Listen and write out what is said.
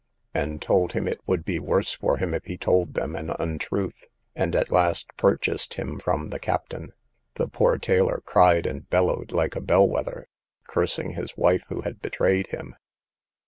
and told him it would be worse for him if he told them an untruth; and at last purchased him from the captain. The poor tailor cried and bellowed like a bell wether, cursing his wife who had betrayed him.